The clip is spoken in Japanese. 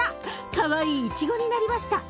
かわいいいちごになりました。